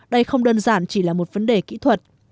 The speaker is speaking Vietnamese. đây không đơn giản chỉ là một vấn đề kỹ thuật